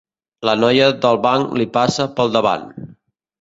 La noia del banc li passa pel davant.